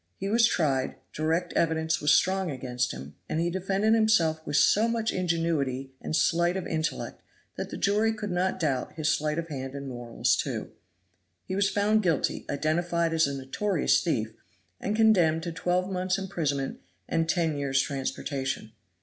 He was tried; direct evidence was strong against him, and he defended himself with so much ingenuity and sleight of intellect that the jury could not doubt his sleight of hand and morals, too. He was found guilty, identified as a notorious thief, and condemned to twelve months' imprisonment and ten years' transportation.